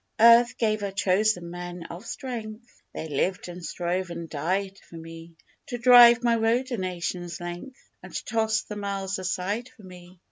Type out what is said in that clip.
Earth gave her chosen men of strength (They lived and strove and died for me) To drive my road a nation's length, And toss the miles aside for me.